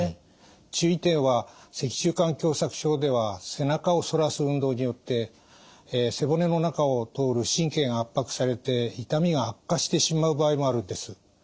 注意点は脊柱管狭さく症では背中を反らす運動によって背骨の中を通る神経が圧迫されて痛みが悪化してしまう場合もあるんです。